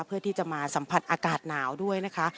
เพื่อที่จะมาสัมผัสอากาศหนาวด้วยนะคะ